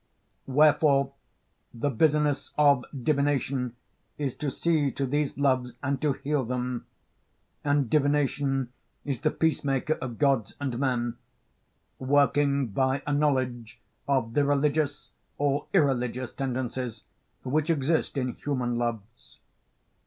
Wherefore the business of divination is to see to these loves and to heal them, and divination is the peacemaker of gods and men, working by a knowledge of the religious or irreligious tendencies which exist in human loves.